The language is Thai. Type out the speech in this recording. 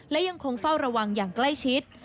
และยังคงเฝ้าระวังอย่างใกล้ชิด